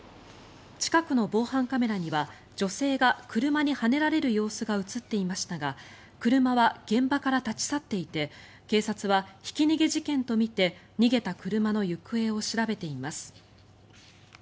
近くの防犯カメラには女性が車にはねられる様子が映っていましたが車は現場から立ち去っていて警察はひき逃げ事件とみて逃げた車の行方を調べています。